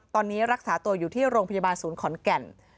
ตอนนี้รักษาตัวอยู่ที่โรงพยาบาลศูนย์ขอนแก่น